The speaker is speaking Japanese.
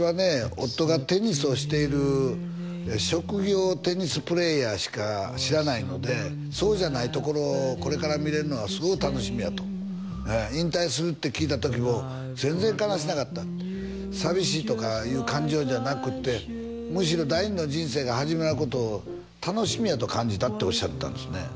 夫がテニスをしている職業テニスプレーヤーしか知らないのでそうじゃないところをこれから見れるのがすごく楽しみやと引退するって聞いた時も全然悲しくなかったって寂しいとかいう感情じゃなくってむしろ第二の人生が始まることを楽しみやと感じたっておっしゃったんですね